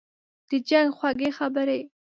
« د جنګ خوږې خبري